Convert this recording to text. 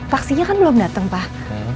vaksinnya kan belum datang pak